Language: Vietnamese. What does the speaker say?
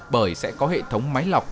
bởi sẽ có hệ thống máy lọc